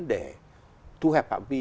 để thu hẹp phạm vi